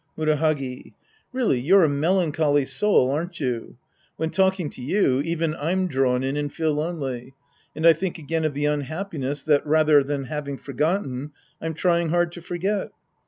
Murahagi. Really, you're a cueiancholy soul, aren't you ? When talking to you, evea I'm drawn in and feel lonely. And I think again of the unhappiness that, rather than having forgotten, I'm trying hard to forget.